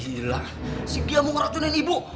gila si gia mau ngeracunin ibu